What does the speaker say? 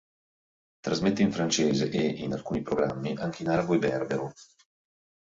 Trasmette in francese e, in alcuni programmi, anche in arabo e berbero.